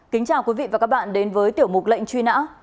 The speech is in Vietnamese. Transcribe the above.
kính chào quý vị và các bạn đến với tiểu mục lệnh truy nã